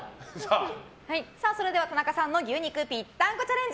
それでは田中さんの牛肉ぴったんこチャレンジ